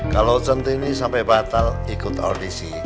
kalau centini sampai batal ikut audisi